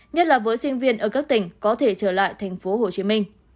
nhất là với sinh viên ở các tỉnh có thể trở lại tp hồ chí minh